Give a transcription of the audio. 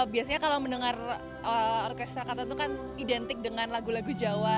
biasanya kalau mendengar orkestra kata itu kan identik dengan lagu lagu jawa